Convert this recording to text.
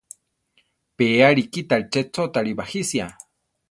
Pe arikítari che chótare bajisia.